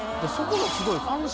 そこがすごいです。